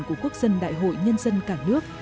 của quốc dân đại hội nhân dân cả nước